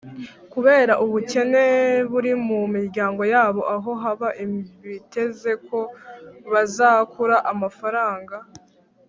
kubera ubukene buri mu miryango yabo, aho baba biteze ko bazakura amafaranga